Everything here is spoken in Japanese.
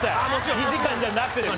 ２時間じゃなくても。